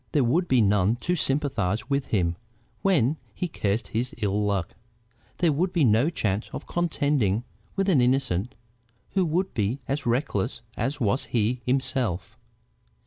There would be none to sympathize with him when he cursed his ill luck, there would be no chance of contending with an innocent who would be as reckless as was he himself.